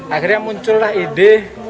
akhirnya muncullah ide